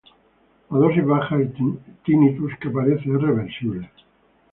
A dosis bajas el tinnitus que aparece es reversible.